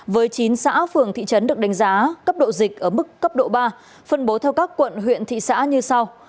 với chín xã phường thị trấn được đánh giá cấp độ dịch ở mức cấp độ ba phân bố theo các quận huyện thị xã như sau